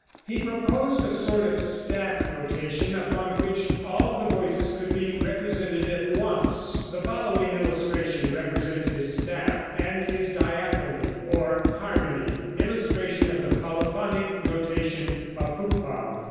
He proposed a sort of staff notation, upon which all the voices could be represented at once. The following illustration represents his staff and his diaphony, or harmony: [Illustration: POLYPHONIC NOTATION OF HUCBALD.